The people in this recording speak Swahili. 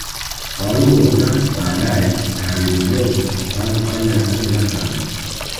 Waluo na baadae Karimojong tangu karne ya kumi na tano